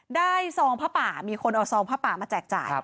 ซองผ้าป่ามีคนเอาซองผ้าป่ามาแจกจ่าย